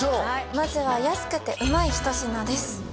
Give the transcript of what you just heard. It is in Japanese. まずは安くてうまい一品です